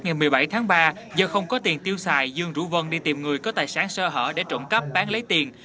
ngày một mươi bảy tháng ba do không có tiền tiêu xài dương rủ vân đi tìm người có tài sản sơ hở để trộm cắp bán lấy tiền